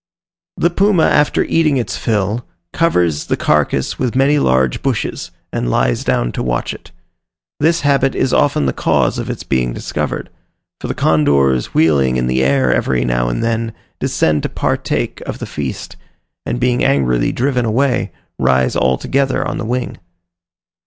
The puma, after eating its fill, covers the carcass with many large bushes, and lies down to watch it. This habit is often the cause of its being discovered; for the condors wheeling in the air every now and then descend to partake of the feast, and being angrily driven away, rise all together on the wing.